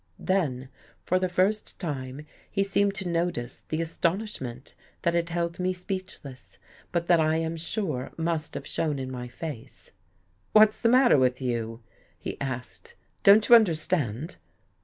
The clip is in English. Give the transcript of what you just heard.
Then, for the first time, he seemed to notice the astonishment that had held me speechless — but that I am sure must have shown In my face. "What's the matter with you?" he asked. " Don't you understand?